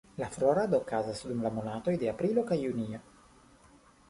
La florado okazas dum la monatoj de aprilo kaj junio.